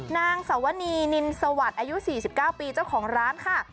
นางสวนีนินสวัสดิ์อายุ๔๙ปีเจ้าของร้านค่ะ